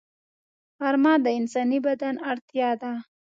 غرمه د انساني بدن اړتیا ده